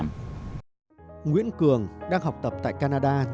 môi trường học tập tuyệt vời lắm